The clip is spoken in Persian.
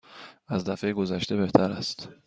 از دفعه گذشته بهتر است.